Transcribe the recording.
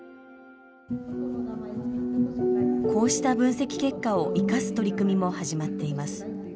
こうした分析結果を生かす取り組みも始まっています。